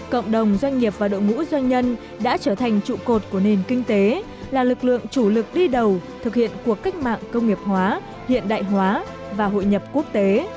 cộng đồng doanh nghiệp và đội ngũ doanh nhân đã trở thành trụ cột của nền kinh tế là lực lượng chủ lực đi đầu thực hiện cuộc cách mạng công nghiệp hóa hiện đại hóa và hội nhập quốc tế